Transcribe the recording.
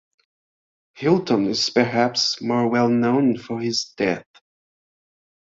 Hylton is perhaps more well known for his death.